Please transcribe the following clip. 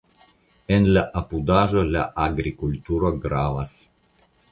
En la apudaĵo la agrikulturo gravas.